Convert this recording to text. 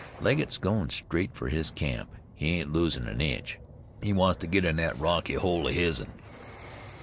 Legget's goin' straight for his camp; he ain't losin' an inch. He wants to get in that rocky hole of his'n."